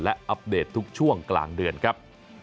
และอัปเดตทุกช่วงกลางเดือนครับ